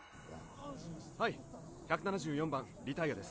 はい１７４番リタイアです。